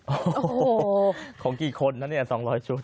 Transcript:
โอ้โหของกี่คนนะเนี่ย๒๐๐ชุด